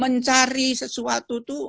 mencari sesuatu itu